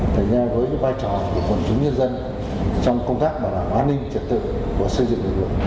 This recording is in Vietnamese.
thành ra với vai trò của quần chúng nhân dân trong công tác bảo đảm an ninh trật tự của xây dựng lực lượng